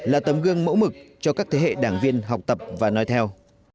là tấm gương mẫu mực cho các thế hệ đảng viên học tập và nói theo